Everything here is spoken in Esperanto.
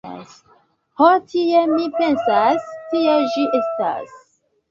Ho tie mi pensas, tie ĝi estas.